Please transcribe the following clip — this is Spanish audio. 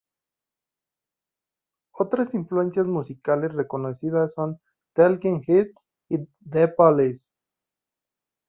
Otras influencias musicales reconocidas son Talking Heads y The Police.